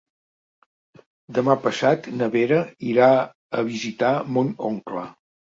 Demà passat na Vera irà a visitar mon oncle.